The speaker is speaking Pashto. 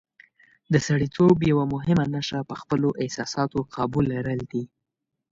د سړیتوب یوه مهمه نښه په خپلو احساساتو قابو لرل دي.